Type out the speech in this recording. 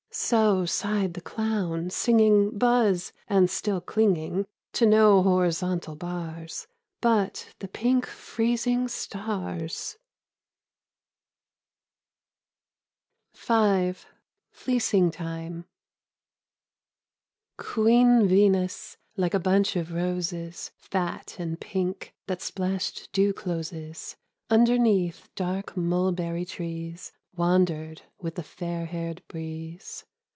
So sighed the clown, singing Buzz, and still clinging To no horizontal bars. But the pink freezing stars I 104 EDITH SnWliLL Q V FLEECING TIME. UEEN VENUS, like a bunch of roses. Fat and pink that splashed dew closes, Underneath dark mulberry trees, Wandered with the fair haired breeze.